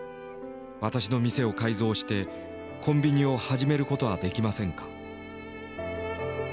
私の店を改造してコンビニを始めることはできませんか」。